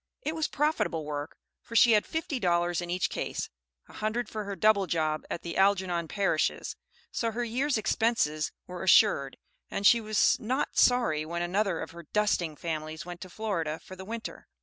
It was profitable work, for she had fifty dollars in each case (a hundred for her double job at the Algernon Parishes'); so her year's expenses were assured, and she was not sorry when another of her "dusting" families went to Florida for the winter.